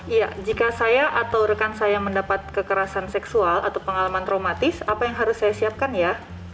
iya jika saya atau rekan saya mendapat kekerasan seksual atau pengalaman traumatis apa yang harus saya siapkan ya